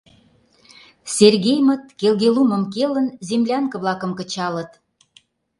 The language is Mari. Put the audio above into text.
Сергеймыт, келге лумым келын, землянке-влакым кычалыт.